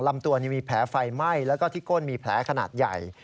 ลำตัวมีแผลไฟไหม้แล้วก็ที่ก้นมีแผลขนาดใหญ่